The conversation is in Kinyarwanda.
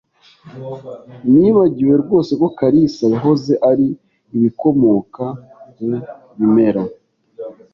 Nibagiwe rwose ko kalisa yahoze ari ibikomoka ku bimera.